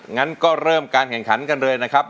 งั้นก็เริ่มการแข่งขันกันเลยนะครับ